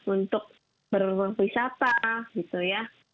untuk berwawang wisata gitu ya